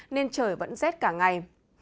nên trời vẫn rét cả ngày